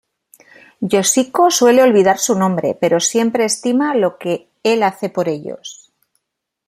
Yoshiko suele olvidar su nombre, pero siempre estima lo que el hace por ellos.